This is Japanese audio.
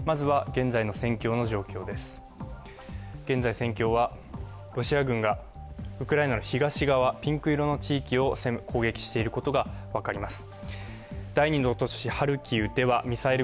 現在、戦況はロシア軍がウクライナの東側ピンク色の地域を攻撃していることが分かります。